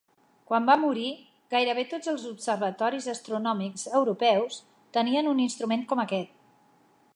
Quan va morir, gairebé tots els observatoris astronòmics europeus, tenien un instrument com aquest.